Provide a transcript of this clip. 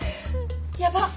やばっ！